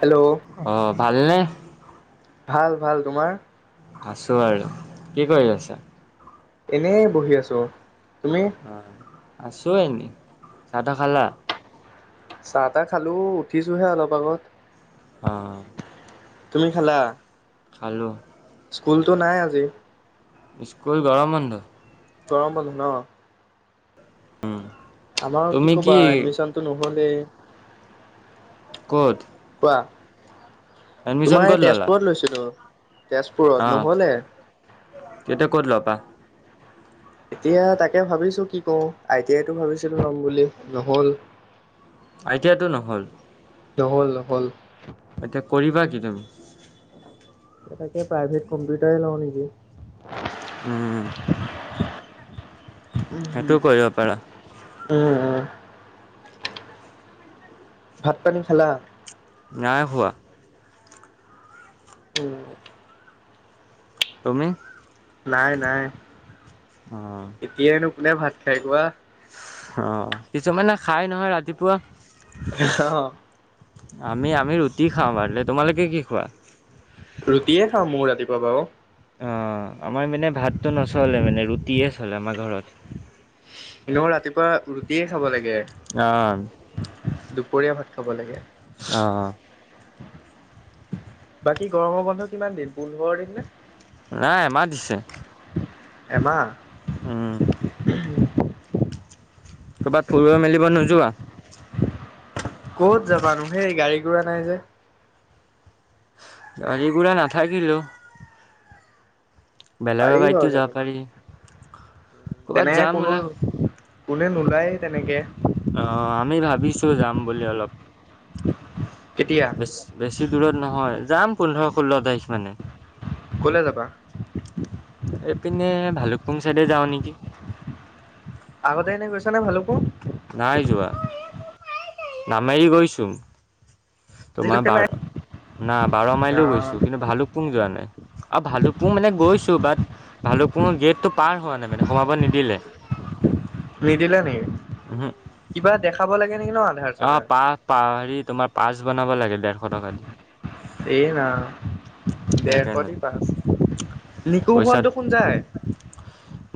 Hello অহ, ভালনে? ভাল -ভাল তোমাৰ? আছো আৰু কি কৰি আছা? এনেই বহি আছোঁ। তুমি হা আছোঁ এনে চাহ- তাহ খালা? চাহ তাহ খালো উঠিছোহে অলপ আগত। অহঁ তুমি খালা? খালোঁ। স্কুলটো নাই আজি। স্কুল গৰম বন্ধ। গৰম বন্ধ‌ উম। আমাৰো কি কবা এডমিশ্যনটো নহলেই ক'ত। কোৱা এডমিশ্যন তোমাৰ ক'ত এই ল'লা? তেজপুৰত লৈছিলোঁ। তেজপুৰত অ' নহলে। তেতিয়া ক'ত ল'বা? এতিয়া তাকে ভাবিছো কি কৰোঁ আই টি আইতো ভাবিছিলো লম বুলি নহল। আইতিয়াটো নহ'ল। নহ'ল, নহ'ল। এতিয়া কৰিবা কি তুমি? এটাকে প্ৰাইভেট কম্পিউটাৰে লওঁ নেকি উম, সেইটো কৰিব পাৰা । ওঁ, ওঁ ভাত -পানী খালা? নাই খোৱা । ওঁ তুমি? নাই নাই। অ' এতিয়ানো কোনে ভাত খাই কোৱা? অঁ, কিছুমানে খাই নহয় ৰাতিপুৱা অ', আমি, আমি ৰুটি খাওঁ ৰাতিপুৱা। তোমালোকে কি খোৱা? ৰুটিয়ে খাওঁ, মও ৰাতিপুৱা বাও । অঁ, আমাৰ মানে, ভাতটো নচলে মানে, ৰুটিহে চলে আমাৰ ঘৰত । এনেও ৰাতিপুৱা ৰুটিয়ে খাব লাগে । অঁ দুপৰীয়া ভাত খাব লাগে । অঁ বাকি, গৰমৰ বন্ধ কিমান দিন। পোন্ধৰ দিন নে? নাই এমাহ দিছে । এমাহ উম [unintelligible] ক'বাত ফুৰিব- মেলিব নোযোৱা? ক'ত যাবানো হে গাড়ী -ঘোঁৰা নাই যে । গাড়ী, ঘোঁৰা নাথাকিলেও । পাৰি বাও যাবলে পাৰি। ক'ৰবাত ।তেনে যাম কোনো ওলা কো নোৱে নোলায় তেনেকে । অঁ, আমি ভাৱিছো যাম বুলি অলপ । কেতিয়া বেছ্‌ বেছি দূৰত নহয় ।যাম পোন্ধ-ষোল্ল তাৰিখ মানে । ক'লে যাবা? পুং চাইডে যাওঁ নেকি? আগতে এনেই গৈছা নে ভালুকপুং? নাই যোৱা। নামেৰি গৈছো । তোমাৰ আজিলৈকে নাই বাৰ্‌, না বাৰ মাইলেও অ'। গৈছো কিন্তু ভালুক পুং যোৱা নাই । অ ভালুকপুং মানে, গৈছো বাট ভালুপুংৰ গেটটো পাৰ হোৱা নাই মানে, সোমাব নিদিলে । নিদিলে নেকি? কিবা দেখাব লাগে? নেকি ন আধাৰ অঁ, চাধাৰ? পা -পা- হেৰি তোমাৰ পাৰ্ছ বনাব লাগে ডেৰশ টকা দি। এ ৰাম, ডেৰশ সেইকাৰণে দি পাৰ্ছ পইচাত,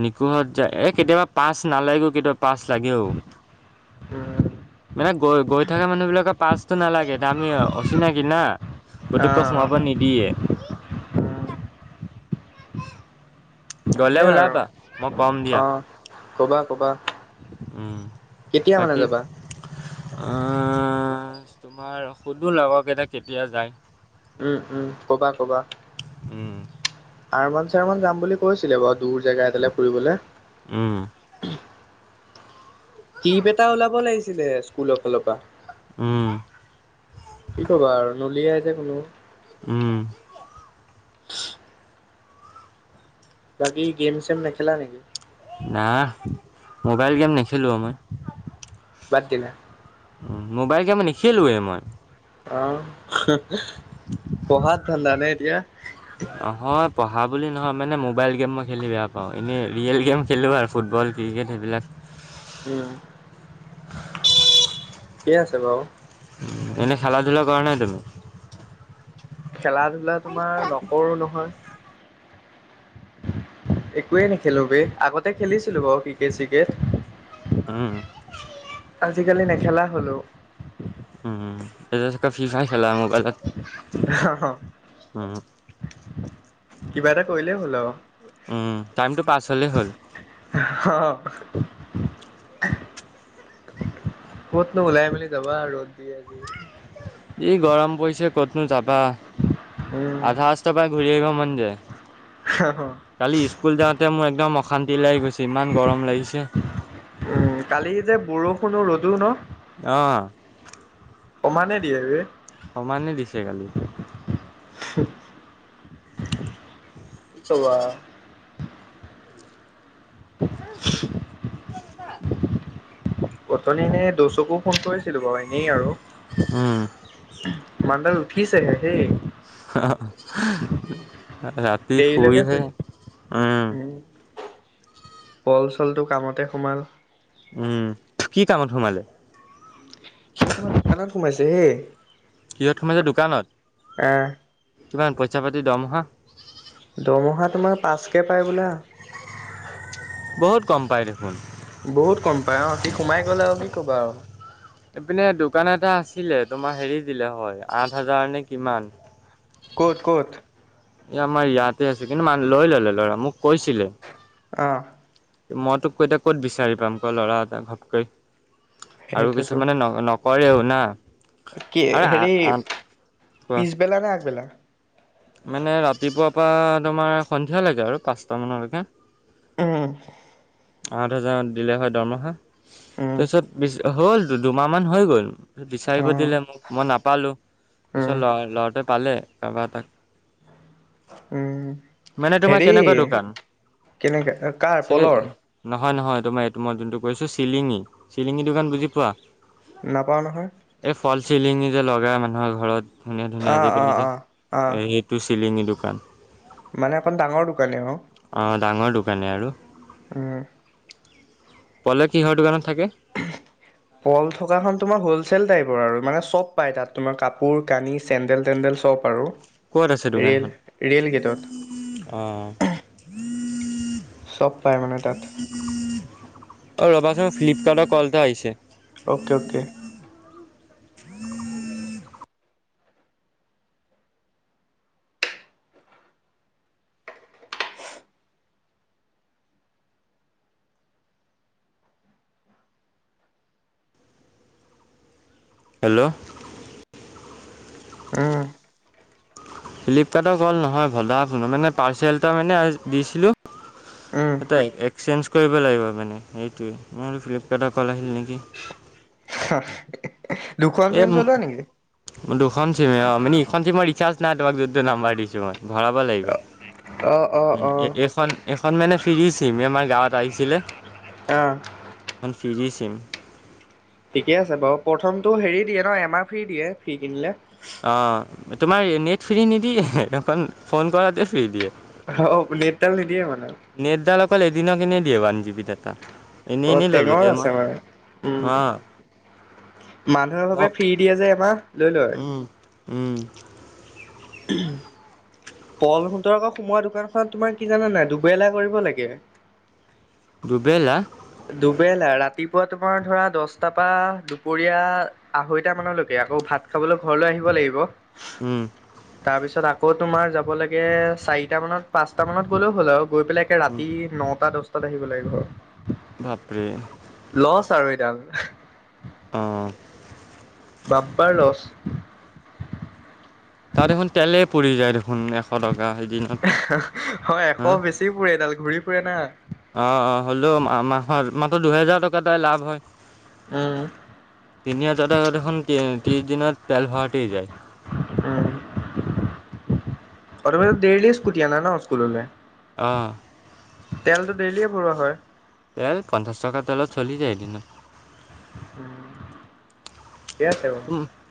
নিকোহঁত যায় । এ কেতিয়াবা পাৰ্ছ নালাগেও, কেতিয়াবা পাৰ্ছ লাগেও । উম, মানে, গৈ, গৈ থকা মানুহ বিলাক পাৰ্ছটো নালাগে দামি, অচিনাকি না । পটুক্‌কে অ', সোমাব নিদিয়ে । উম, সেয়া ওলাবা মই আৰু কম দিয়া অঁ, কবা কবা । উম, বাকি যাবা? অঁ তোমাৰ শুধু লগৰ কেইটাক কেতিয়া যায় । উম, উম ক'বা ক'বা । উম ৰ্জামান -ৰ্চামান যাম বুলি কৈছিলে বাৰু, দূৰ জেগা এটালে ফুৰিবলে । উম কিপ এটা ওলাব লাগিছিলে স্কুলৰ ফালৰ পৰা। উম কি কবা আৰু নলিয়াই যে কোনো উম [unintelligible] বাকী গেম চেম নেখেলা নেকি? না মোবাইল গেম নেখেলো মই। বাদ দিলা? উ মোবাইল গেম নেখেলোৱেই মই আহ পঢ়াত ধান্দা নে এতিয়া? নহয় পঢ়া বুলি নহয় মানে মোবাইল গেম মই খেলি বেয়া পাওঁ ।এনেই ৰিয়েল গেম খেলোঁ আৰু ফুটবল ক্ৰিকেট সেইবিলাক উম [unintelligible] কি আছে বাও এনেই খেলা ধূলা কৰা নাই তুমি? খেলা ধূলা তোমাৰ নকৰো নহয়। একোৱে নেখেলো বে আগতে খেলিছিলো বাৰু ক্ৰিকেট চিকেট। উম আজিকালি নেখেলা হলো। উম এটো চ ক ফি ফাই খেলা উম বল উম কিবা এটা কৰিলে হ'ল আৰু উম টাইমটো পাছ হলে হ'ল। হা ক'তনো ওলাই মেলি যাবা আৰু এই গৰম পৰিছে কতনো যাবা। উম। আধা ৰাস্তা পৰা ঘূৰি আহিব মন যায়। কালি স্কুল যাওঁতে মোৰ একদম অশান্তি লাগি গৈছে ইমান গৰম লাগিছে। কোনো ৰ'দু ন অহ সমানে দিয়ে যে। সমানে দিছে কালি সে কি কবা আৰু [unintelligible] ছা অথনি এনে দচকো ফোন কৰিছিলো বাৰু এনেই আৰু উম মান্দাৰ উঠিছেহে সেই ৰাতি দেৰিলৈকে শুইয়ে। শুই অ পল চলটো কামতে সোমাল উম কি কামত সোমালে? স তোমাৰ দোকানত সোমাইছে হে কিহত সোমাইছে দোকানত? আহ কিমান পইচা পাতি দৰমহা? কে পায় বোলা বহুত কম পাই দেখোন বহুত কম পায় অ সি সোমাই গ'লে আৰু কি ক'বা আৰু এইপিনে দোকান এটা আছিলে তোমাৰ হেৰি দিলে হয় আঠ হাজাৰ নে কিমান ক'ত ক'ত। এ আমাৰ ইয়াতে আছে কিন্তু মাল লৈ ললে লৰা মোক কৈছিলে। আহ। মইতোক এতিয়া ক'ত বিচাৰি পাম ক ল'ৰা এটা ঘপকৈ আৰু সেইটোতো কিছুমানে। নকৰেও না। কি আৰু হেৰি আঠ কোৱা পিছবেলা নে আগবেলা। মানে ৰাতিপুৱাৰ পৰা তোমাৰ সন্ধিয়া লৈকে আৰু পাঁচটা মানলৈকে। উম। আঠ হাজাৰ দিলে হয় দৰমহা উম, তাৰপিছত হ'ল দুমাহ মান হৈ গ'ল। বিচাৰিব অ', দিলে মোক মই নাপালো উম, তাৰপিছত লৰা ল'ৰাটোৱে পালে কাৰোবাৰ এতাক। উম। মানে তোমাৰ কেনেকুৱা দোকান। কেনেকা কাৰ পলৰ। হয় নহয় তোমাৰ এইটো মই যোনটো কৰিছো চিলিঙি চিলিঙি দোকান বুজি পোৱা। নাপাওঁ নহয়। এই ফল চিলিঙি যে লগাই মানুহৰ ঘৰত ধুনীয়া ধুনীয়া অ', আজিকালি অ', যে অ', অ', সেইটো চিলিঙি দোকান। মানে অকণ ডাঙৰ দোকানে অ। ডাঙৰ দোকানে আৰু। উম। পলে কিহৰ দোকানত থাকে। পল থকা খন তোমাৰ হ'ল। চেল টাইপৰ আৰু মানে চব পায় তাত তোমাৰ কাপোৰ কানি চেণ্ডেল তেণ্ডেল চব আৰু। ক'ত আছে ৰেল দোকানখন ৰেল গেটত। অঁ। চব পাই মানে তাত। অ ৰ'বাচোন ফ্লিপকাৰ্টৰ কল এটা আহিছে। Okay okay. উম। [inaudible] হেল্ল'। উম, ফ্লিপকাৰ্টৰ ক'ল নহয় ভদা মানে পাৰ্চেল এটা মানে দিছিলোঁ। উম। এ এক্সচেঞ্জ কৰিব লাগিব মানে সেইটোৱে মই ফ্লিপকাৰ্টৰ কল আহিল নেকি। হয়। [inaudible] হা। এ দুখন চিমে অ সিখন চিমৰ ৰিচাৰ্জ নাই তোমাৰ যিটো নাম্বাৰ দিছো মই ভৰাব লাগিব। অ', অ', অ', এইখন এইখন মানে ফ্ৰিচিম আমাৰ গাঁৱত আহিছিলে। আহ। ফিৰি চিম। ঠিকে আছে বাৰু প্ৰথমটো হেৰি দিয়ে ন এমাহ ফ্ৰী দিয়ে ফ্ৰী কিনিলে। অ তোমাৰ নেট ফ্ৰী নিদিয়ে সেদখন ফোন কৰাতে ফ্ৰী দিয়ে। অ নেট তাল নিদিয়ে মানে। নেটডাল অকল এদিনাখিনি দিয়ে ওৱান জিবি ডাটা। এনেই অ এনেই টেঙৰ ললোগে মই আছে মানে উম। অ মানুহৰ মই ভাবে ফ্ৰী দিয়ে যে আমাক লৈ লয়। উম উম। উম। পল সুতৰ আকৌ সোমোৱা দোকানখনত তোমাৰ কি জানা নাই দুবেলা কৰিব লাগে। দুবেলা? দুবেলা ৰাতিপুৱা তোমাৰ ধৰা দচটাৰ পৰা দুপৰীয়া আঢ়ৈটা মানলৈকে। আকৌ ভাত খাবলৈ ঘৰলৈ আহিব লাগিব, উম তাৰপিছত আ কৌ তোমাৰ যাব লাগে চাৰিটামানত পাঁচটামানত গ'লেও হ'ল আৰু গৈ পেলাই একে উম ৰাতি নটা দচ টাত আহিব লাগিব। বাপৰে। চাৰৈডাল এহ অহ । বাপা ৰচ। তাৰ এখন তেলে পৰি যায়। দেখোন এশ টকা এদিনত হয়, এশ হা বেছি পুৰে এইডাল ঘূৰি ফুৰে না। অ, অ হ'লেও মা মাহত মাত্ৰ দুহেজাৰ টকা তাই লাভ হয়। উম। তিনি হাজাৰ টকা দেখোন তি ত্ৰিছ দিনত তেল ভৰাও তেই যায়। [inaudible] আৰু তুমি দেইলি স্কুটি আনা ন স্কুললে? অ, ডেইলিয়ে ভৰোৱা হয় ' তেল পঞ্চাশ টকা তেলত চলি যায় এদিনত । উম।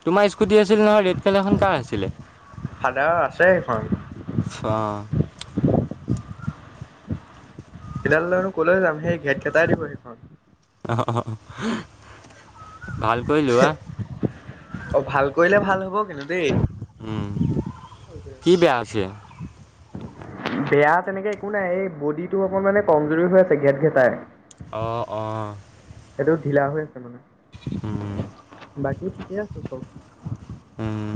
তোমাৰ স্কুটি আছিল নহয়, ৰেড কালাৰখন কাৰ আছিলে? ফাদাৰৰ আছে সেইখন [inaudible] সেইডাল লৈনো কলৈ যাম সেই ঘেট গেটাই দিব সেইখন। অ অ অ। অ, ভাল কৰিলে ভাল হব কিন্তু দেই। উম, কি বেয়া আছে? বেয়া তেনেকে একো নাই, এই বডিটো অকনমানে কমজৰি হৈ আছে ঘেট-ঘেটাই। অ' অ। ঢিলা হৈ আছে মানে, উম বাকী ঠিকে আছো চব। হুম।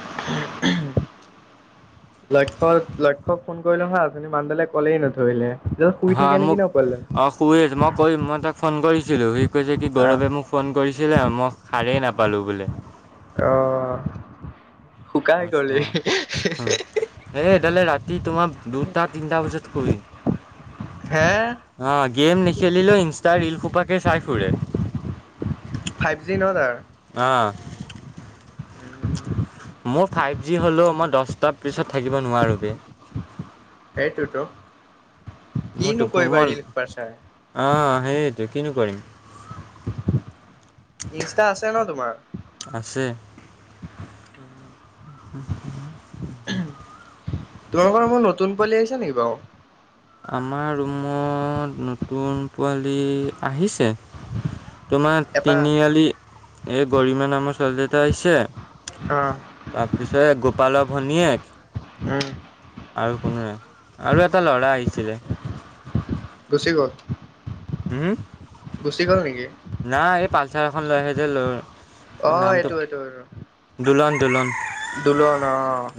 [inaudible] লক্ষ্য লক্ষ্যক ফোন কৰিলো হা উঠনি মানুহ ডালে কলেই নধৰিলে। এইডাল শুই হা থাকে নেকি মোক ন পোৱালিডাল অ' শুই আছে মই কৈ মই তাক ফোন কৰিছিলো, সি কৈছে কি আহ গৌৰৱে মোক ফোন কৰিছিলে মই সাৰেই নাপালো বোলে। আহ, শুকাই গলি। তেতিয়ালৈ ৰাতি তোমাক দুটা তিনিটা বজাত কৰিম। হে আহ, গেম নেখেলিলেও ইনষ্টা ৰীল সোপাকে চাই ফুৰে। ফাইভ জি ন তাৰ। অ' উম। মোৰ ফাইভ জি হ'লেও মই দচটাৰ পিছত থাকিব নোৱাৰোঁ বে। সেইটোয়েতো। মোৰতো মন আহ সেইটো কিনো কৰিম। ইনষ্টা আছে ন তোমাৰ? আছে। তোমালোকৰ ৰুমত নতুন পোৱালি আহিছা নেকি বাৰু? আমাৰ ৰুমত নতুন পোৱালি আহিছে। তোমাৰ এটা তিনিআলি এই গৰিমা নামৰ ছোৱালী এটা আহিছে। অ' তাৰপিছত গোপালৰ ভনীয়েক। উম। আৰু কোনো নাই আৰু এটা ল'ৰা আহিছিলে। গুচি কত? উম। নাই এই পালচাৰ এখন লৈ আহ যে, অ' এইটো নামটো এইটো এইটো দুলন, দুলন। দুলন অ'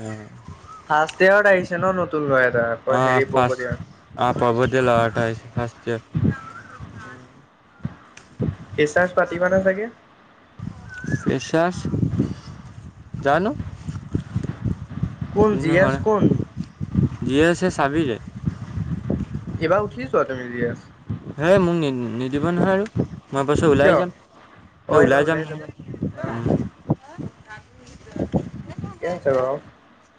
ফাৰ্ষ্ট ইয়ত আহিছে ন নতুন লৰা এটা? আকৌ অ হেৰি ফাৰ পৰ্বতীয়া অ পাবতি লটাই। হাসত। কেঁচাজ পাতিবা না চাগে। পচাৰ জানো। কোন জি ইনিহ এছ কোন? জীয়েছে চাবিলে। এবাৰ উঠিছ তুমি দি। হে মোক নি নিদিব নহয় আৰু। মই পাছত ওলাই কিয়? যাম ম অ' এইবাৰ ওলাই যাম নহয় যাবা উ। অ' কেছে কৰ।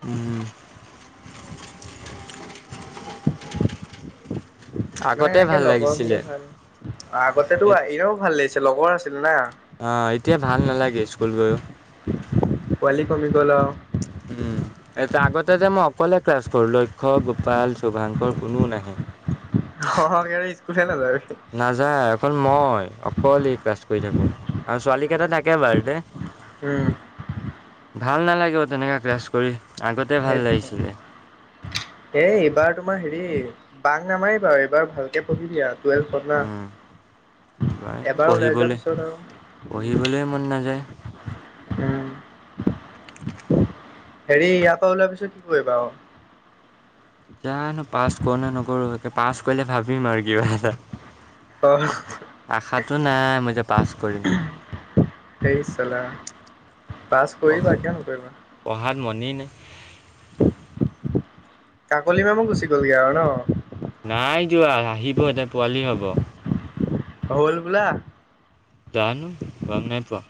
উম মানে আগতে এনেকে ভাল লগৰ হলে লাগিছিলে ভাল আগতেো এনেও ভাল লাগিছে লগৰ আছিল না। অ এতিয়া ভাল নালাগে স্কুল গৈও। পোৱালি কমি গল। এয়া আগতে যে মই অকলে ক্লাছ কৰো লক্ষ্য গোপাল শুভাংকৰ কোনো নাহে। সৰহকে আৰু স্কুলে নাযায়। নাযায় এখন মই অকলে ক্লাছ কৰি থাকো। আৰু ছোৱালী কেইটা থাকে বাৰ্থডে। উম ভাল নালাগে তেনেকা ক্লাছ কৰি আগতে ভাল লাগিছিলে। এ এইবাৰ তোমাৰ হেৰি বাঘ নামাৰ বাৰু এইবাৰ ভালকে পঢ়িবি আৰু। টুৱেলভ পনা। উম পঢ়িবলৈ উম পঢ়িবলৈ মন নাযায়। [unintelligible] উম। হেৰি ইয়াৰ পৰা ওলাই পিছত কি কৰিবা। জানো পাছ কৰ ন নকৰো পাছ কৰিলে ভাবিম আৰু কিবা এটা। অ আশাতটো নাই মই যে পাছ কৰিম সেই চলা পাছ কৰিবা কিয় নকৰিবা? মনে নাই। কাকলি মেমো গুচি গ'লগৈ আৰু ন নাই যোৱা আহিবহেঁতে পোৱালি হ'ব। হল বুলা। জানো গম নাই পোৱা।